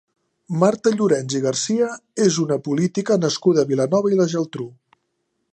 Marta Llorens i Garcia és una política nascuda a Vilanova i la Geltrú.